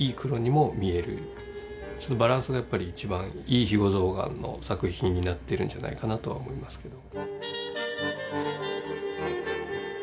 そのバランスがやっぱり一番いい肥後象がんの作品になってるんじゃないかなとは思いますけど。